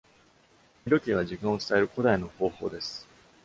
日時計は時間を伝える古代の方法です。